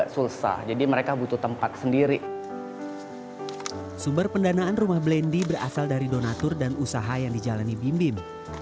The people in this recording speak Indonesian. sumber pendanaan rumah blendy berasal dari donatur dan usaha yang dijalani bim bim